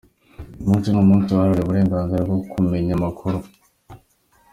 Uyu munsi ni umunsi wahariwe uburenganzira bwo kumenya amakuru.